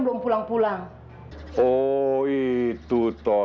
suara dari rumah